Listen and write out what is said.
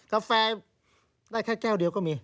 กาแฟได้แค่แก้วเดียวก็มี